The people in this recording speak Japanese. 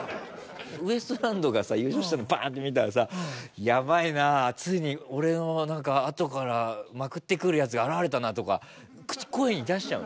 ウエストランドが優勝したのバッて見たらさ「ヤバいなついに俺の後からまくってくるヤツが現れたな」とか声に出しちゃうの？